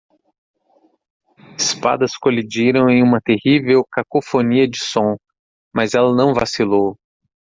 Espadas colidiram em uma terrível cacofonia de som, mas ela não vacilou.